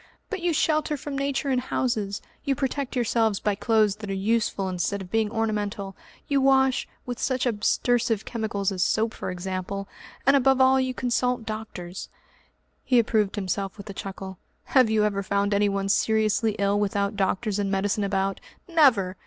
But you shelter from Nature in houses, you protect yourselves by clothes that are useful instead of being ornamental, you wash with such abstersive chemicals as soap for example and above all you consult doctors." He approved himself with a chuckle. "Have you ever found anyone seriously ill without doctors and medicine about? Never!